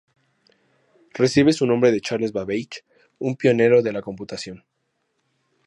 Recibe su nombre de Charles Babbage, un pionero de la computación.